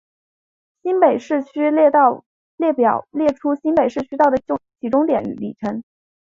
新北市区道列表列出新北市区道的起终点与里程。